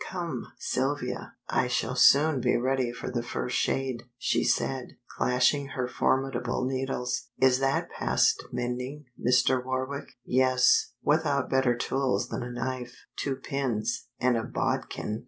"Come, Sylvia, I shall soon be ready for the first shade," she said, clashing her formidable needles. "Is that past mending, Mr. Warwick?" "Yes, without better tools than a knife, two pins, and a bodkin."